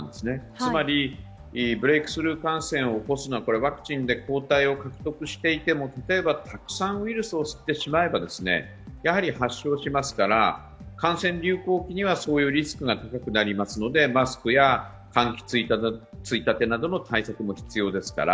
つまりブレークスルー感染を起こすのはワクチンで抗体を獲得していても、例えばたくさんウイルスを吸ってしまえば発症しますから感染流行期にはそういうリスクが高くなりますのでマスクや換気、ついたてなどの対策も必要です。